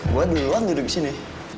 gue duluan duduk di sini